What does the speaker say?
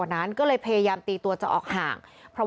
นระวัง